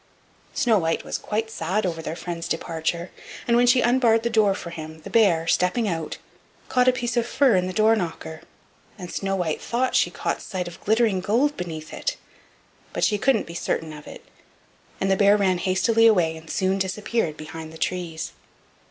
Snow white was quite sad over their friend's departure, and when she unbarred the door for him, the bear, stepping out, caught a piece of his fur in the door knocker, and Snow white thought she caught sight of glittering gold beneath it, but she couldn't be certain of it; and the bear ran hastily away, and soon disappeared behind the trees.